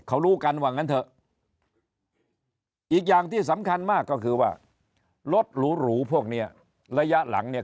เขารู้กันว่างั้นเถอะอีกอย่างที่สำคัญมากก็คือว่ารถหรูพวกเนี้ยระยะหลังเนี่ย